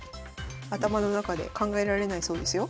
頭の中で考えられないそうですよ。